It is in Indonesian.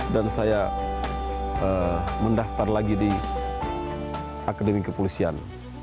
dan saya mendaftar lagi di akademi kepolisian